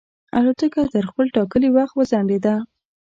الوتکه تر خپل ټاکلي وخت وځنډېده.